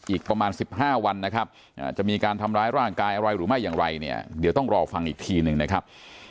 อีกประมาณ๑๕วันนะครับจะมีการทำร้ายร่างกายอะไรหรือไม่อย่างไรเนี่ยเดี๋ยวต้องรอฟังอีกทีหนึ่งนะครับ